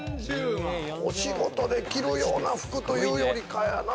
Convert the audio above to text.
お仕事できるような服というよりかやな。